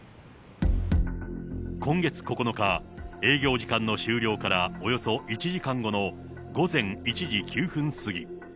今月９日、営業時間の終了からおよそ１時間後の午前１時９分過ぎ。